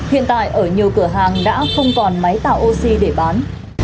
hiện tại ở nhiều cửa hàng đã không còn máy tạo oxy để bán